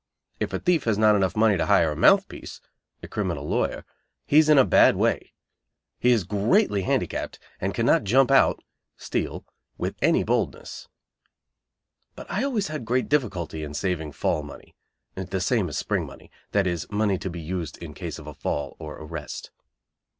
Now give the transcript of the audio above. If a thief has not enough money to hire a "mouth piece" (criminal lawyer) he is in a bad way. He is greatly handicapped, and can not "jump out" (steal) with any boldness. But I always had great difficulty in saving "fall money," (the same as spring money; that is money to be used in case of a "fall," or arrest).